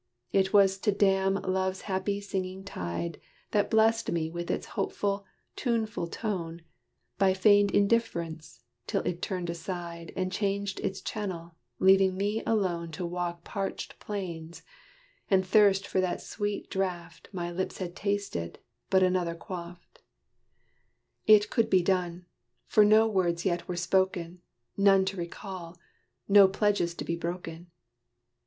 It was to dam love's happy singing tide That blessed me with its hopeful, tuneful tone, By feigned indiff'rence, till it turned aside, And changed its channel, leaving me alone To walk parched plains, and thirst for that sweet draught My lips had tasted, but another quaffed. It could be done. For no words yet were spoken None to recall no pledges to be broken.